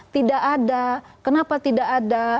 tidak ada kenapa tidak ada